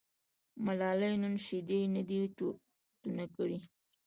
ملالۍ نن شیدې نه دي تونه کړي.